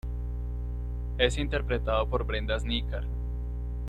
Es interpretado por Brenda Asnicar.